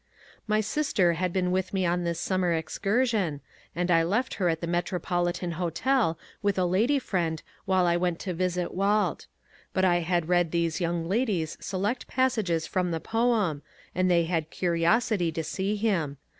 My sister had been with me on this summer excursion, and I left her lEtt the Metropolitan Hotel with a lady friend while I went to visit Walt. But I had read these young ladies select passages from the poem, and they had curiosity to see him.